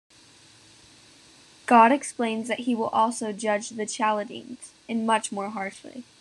God explains that He will also judge the Chaldeans, and much more harshly.